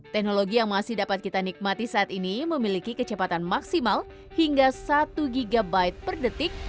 teknologi yang masih dapat kita nikmati saat ini memiliki kecepatan maksimal hingga satu gb per detik